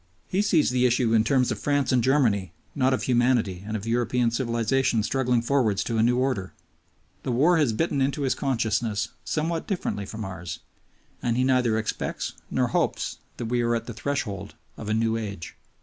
He sees the issue in terms, of France and Germany not of humanity and of European civilization struggling forwards to a new order. The war has bitten into his consciousness somewhat differently from ours, and he neither expects nor hopes that we are at the threshold of a new age.